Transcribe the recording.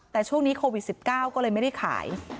แต่ช่วงนี้โควิด๑๙ก็เลยไม่ได้ขาย